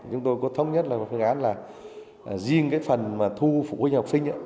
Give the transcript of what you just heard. chúng tôi có thống nhất là một phương án là riêng cái phần mà thu phụ huynh học sinh